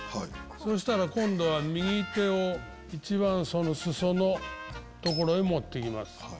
そしたら今度は右手をその裾の所へ持って行きます。